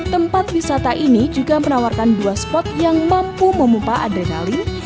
tempat wisata ini juga menawarkan dua spot yang mampu memupah adrenalin